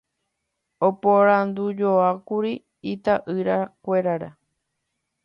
oporandujoákuri ita'yrakuéra